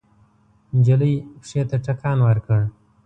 نجلۍ پښې ته ټکان ورکړ.